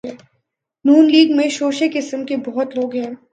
ن لیگ میں شوشے قسم کے بہت لوگ ہیں۔